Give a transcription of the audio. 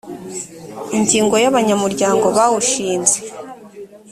ingingo ya abanyamuryango bawushinze